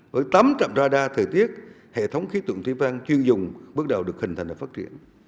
với tấm trạm radar thời tiết hệ thống khí tượng thiên tai chuyên dùng bước đầu được hình thành và phát triển